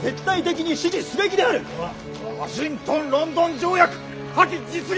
ワシントン・ロンドン条約破棄実現！